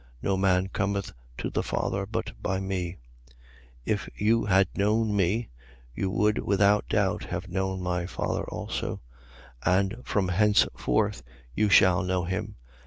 No man cometh to the Father, but by me. 14:7. If you had known me, you would without doubt have known my Father also: and from henceforth you shall know him.